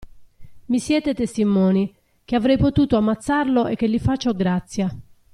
Mi siete testimoni, che avrei potuto ammazzarlo e che gli faccio grazia.